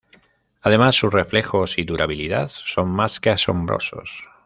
Además sus reflejos y durabilidad son más que asombrosos.